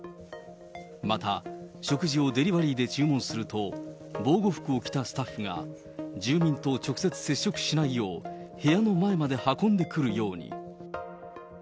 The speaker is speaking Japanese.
また、食事をデリバリーで注文すると、防護服を着たスタッフが住民と直接接触しないよう、部屋の前まで運んでくるように。